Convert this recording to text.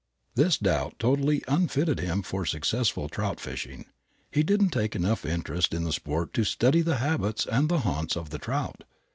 This doubt totally unfitted him for successful trout fishing. He didn't take enough interest in the sport to study the habits and the haunts of the trout.